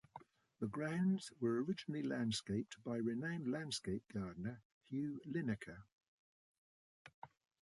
The grounds were originally landscaped by renowned landscape gardener Hugh Linaker.